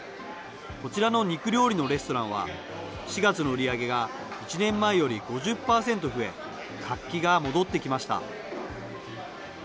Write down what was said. こちらの肉料理のレストランは、４月の売り上げが１年前より５０％増え、活気が戻ってきました。